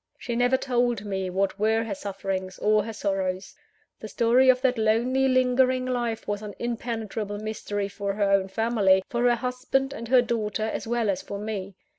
She never told me what were her sufferings or her sorrows. The story of that lonely, lingering life was an impenetrable mystery for her own family for her husband and her daughter, as well as for me.